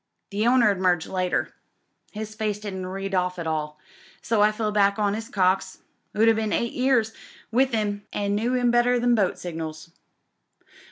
The owner emerged MRS. BATHURST 233 later. His face didn't read off at all^ so I fell back on his cox, 'oo'd been eight years with him and knew him better than boat signals.